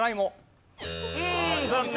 残念！